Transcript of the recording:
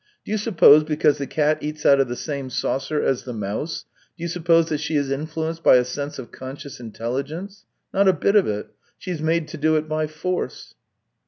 Do you suppose because the cat eats out of the same saucer as the mouse — do you suppose that she is influenced by a sense of conscious intelligence ? Not a bit of it ! She's made to do it by force."